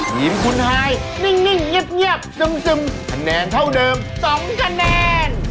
ทีมคุณฮายนิ่งเงียบซึมคะแนนเท่าเดิม๒คะแนน